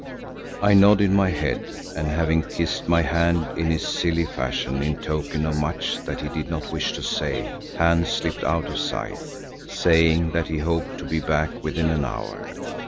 I nodded my head, and having kissed my hand in his silly fashion in token of much that he did not wish to say, Hans slipped out of sight, saying that he hoped to be back within an hour.